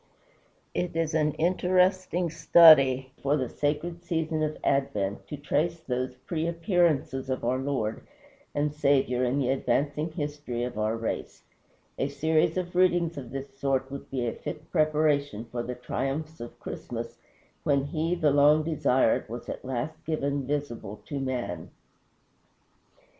It is an interesting study for the sacred season of Advent to trace those pre appearances of our Lord and Saviour in the advancing history of our race. A series of readings of this sort would be a fit preparation for the triumphs of Christmas, when he, the long desired, was at last given visible to man.